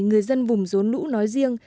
người dân vùng dốn lũ nói riêng